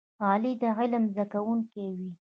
غلی، د علم زده کوونکی وي.